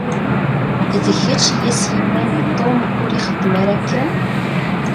D kečč i as-yennan i Tom ur ixeddem ara akken?